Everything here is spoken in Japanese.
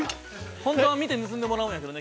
◆本当は、見て盗んでもらうんやけどね